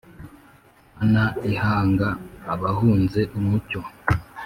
Mana ihanga abahunze umucyo,